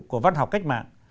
của văn học cách mạng